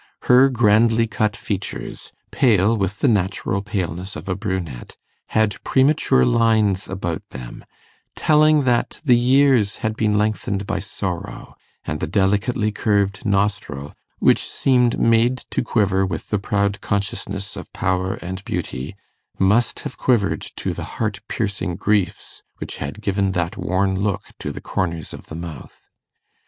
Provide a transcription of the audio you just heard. Her grandly cut features, pale with the natural paleness of a brunette, had premature lines about them, telling that the years had been lengthened by sorrow, and the delicately curved nostril, which seemed made to quiver with the proud consciousness of power and beauty, must have quivered to the heart piercing griefs which had given that worn look to the corners of the mouth.